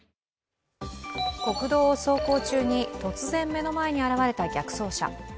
国道を走行中に突然目の前に現れた逆走車。